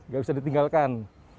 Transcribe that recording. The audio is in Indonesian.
gak bisa ditinggalkan